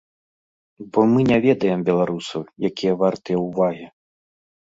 Бо мы не ведаем беларусаў, якія вартыя ўвагі.